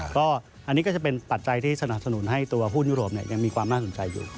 ก็อันนี้ก็จะเป็นปัจจัยที่สนับสนุนให้ตัวหุ้นยุโรปยังมีความน่าสนใจอยู่